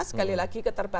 sekali lagi keterbatasan